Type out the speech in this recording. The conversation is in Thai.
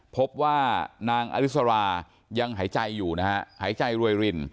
พบว่านางอริสรายังหายใจอยู่นะฮะหายใจรวยริน